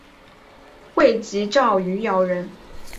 会稽郡余姚人。